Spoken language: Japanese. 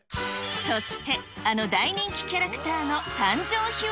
そしてあの大人気キャラクタ